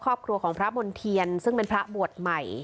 ครอบครัวของพระมณ์เทียนซึ่งเป็นพระบวชใหม่